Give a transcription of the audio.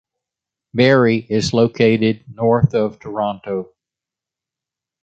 Barrie is located north of Toronto.